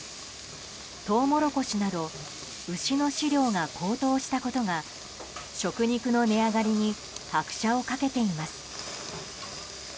トウモロコシなど牛の飼料が高騰したことが食肉の値上がりに拍車をかけています。